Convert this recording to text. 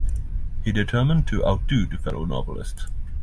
He determined to outdo the fellow novelist.